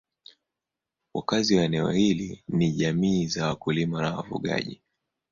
Wakazi wa eneo hili ni jamii za wakulima na wafugaji.